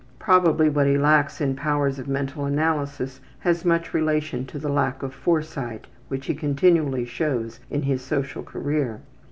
Probably what he lacks in powers of mental analysis has much relation to the lack of foresight which he continually shows in his social career.